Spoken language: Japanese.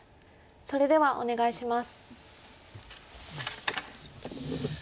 それではお願いします。